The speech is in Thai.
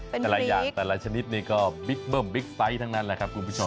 เป็นกรี๊กแต่ละชนิดนี้ก็บิ๊กเบิ่มบิ๊กไซส์ทั้งนั้นแหละครับคุณผู้ชมครับ